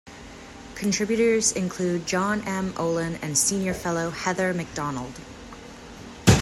Contributors include John M. Olin and Senior Fellow Heather Mac Donald.